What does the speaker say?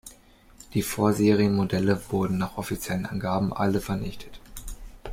Die Vorserienmodelle wurden nach offiziellen Angaben alle vernichtet.